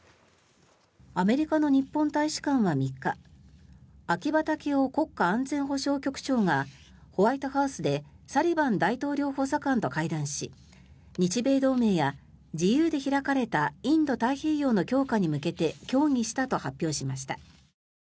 アメリカの日本大使館は３日秋葉剛男国家安全保障局長がホワイトハウスでサリバン大統領補佐官と会談し日米同盟や自由で開かれたインド太平洋の強化に向けて協議したと発表しました。